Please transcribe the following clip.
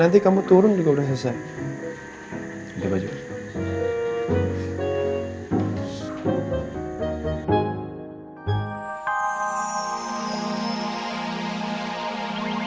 toron juga udah selesai